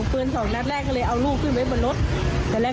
ผู้ตายโดนยิงซะแล้ว